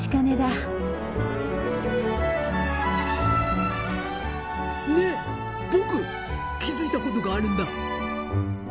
ねえ僕気付いたことがあるんだ。